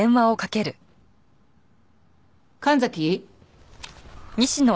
神崎？